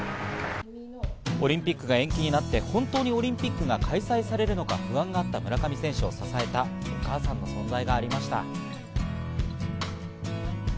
オリンピックが延期になって、本当にオリンピックが開催されるのか不安だった村上選手を支えたお母さんの存在がありました。